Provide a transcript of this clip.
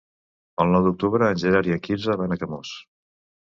El nou d'octubre en Gerard i en Quirze van a Camós.